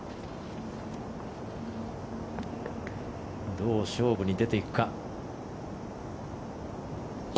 どう勝負に出ていくか。